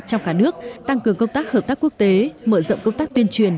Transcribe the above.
trong cả nước tăng cường công tác hợp tác quốc tế mở rộng công tác tuyên truyền